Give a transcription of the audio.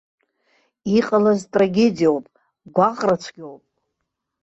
Иҟалаз трагедиоуп, гәаҟрацәгьоуп.